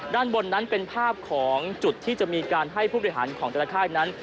ด้านบนนั้นเป็นภาพของจุดที่จะมีการให้ผู้บริหารของแต่ละค่ายนั้น